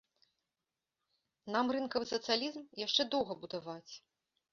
Нам рынкавы сацыялізм яшчэ доўга будаваць.